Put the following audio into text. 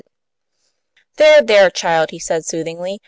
"There, there, child!" he said, soothingly.